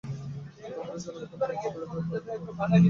তাহারই জন্য অভিনন্দন প্রকাশ না করিয়া থাকিতে পারিতেছি না।